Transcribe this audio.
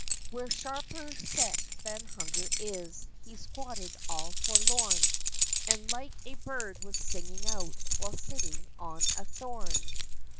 Where sharper set than hunger is He squatted all forlorn; And like a bird was singing out While sitting on a thorn!